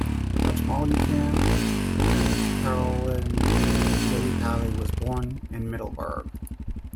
Dutch-Moluccan Carolijn Lilipaly was born in Middelburg.